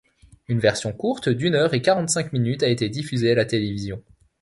Une version courte d'une heure et quarante-cinq minutes a été diffusée à la télévision.